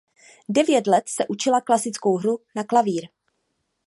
Devět let se učila klasickou hru na klavír.